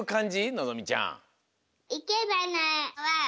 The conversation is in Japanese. のぞみちゃん。